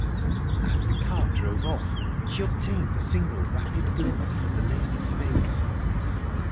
As the car drove off she obtained a single rapid glimpse of the lady's face.